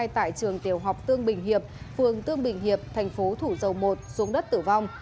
tại trường tiểu học tương bình hiệp phường tương bình hiệp thành phố thủ dầu một xuống đất tử vong